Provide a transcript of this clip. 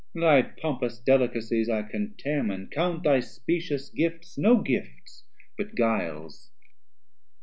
Thy pompous Delicacies I contemn, 390 And count thy specious gifts no gifts but guiles.